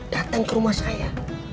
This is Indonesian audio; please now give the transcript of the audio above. datang ke rumah saya